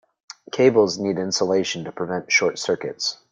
Cables need insulation to prevent short circuits.